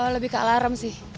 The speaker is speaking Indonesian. lebih ke alarm sih